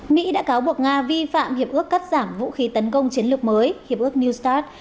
mỹ đã cáo buộc nga vi phạm hiệp ước cắt giảm vũ khí tấn công chiến lược mới hiệp ước new start